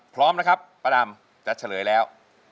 พร้อมนะครับป้าดำจะเฉลยแล้ว